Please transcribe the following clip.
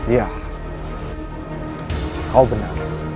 ya kau benar